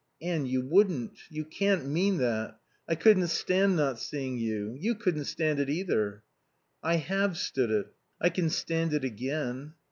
"Anne, you wouldn't. You can't mean that. I couldn't stand not seeing you. You couldn't stand it, either." "I have stood it. I can stand it again."